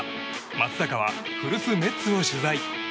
松坂は古巣メッツを取材。